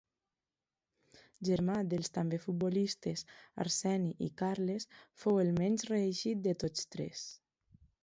Germà dels també futbolistes Arseni i Carles, fou el menys reeixit de tots tres.